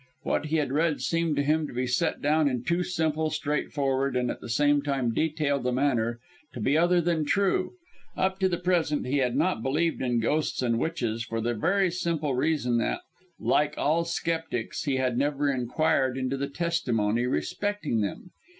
What he had read seemed to him to be set down in too simple, straightforward, and, at the same time, detailed a manner to be other than true. Up to the present he had not believed in ghosts and witches, for the very simple reason that like all sceptics he had never inquired into the testimony respecting them.